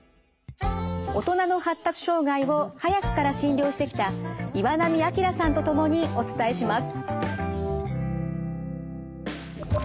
大人の発達障害を早くから診療してきた岩波明さんと共にお伝えします。